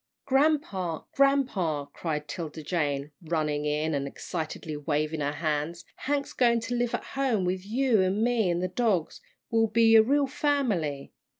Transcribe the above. "Grampa, grampa!" cried 'Tilda Jane, running in, and excitedly waving her hands, "Hank's goin' to live at home with you, an' me, an' the dogs. We'll be a real family.